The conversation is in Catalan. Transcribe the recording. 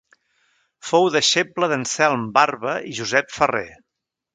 Fou deixeble d'Anselm Barba i Josep Ferrer.